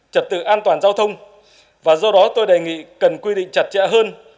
trật tự an toàn giao thông và do đó tôi đề nghị cần quy định chặt chẽ hơn